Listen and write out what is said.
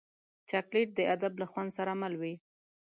چاکلېټ د ادب له خوند سره مل وي.